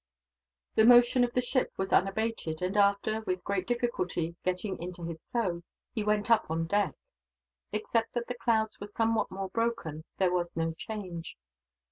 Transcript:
The motion of the ship was unabated and after, with great difficulty, getting into his clothes, he went up on deck. Except that the clouds were somewhat more broken, there was no change.